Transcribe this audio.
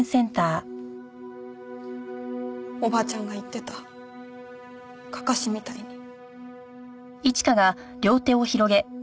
おばあちゃんが言ってたかかしみたいに。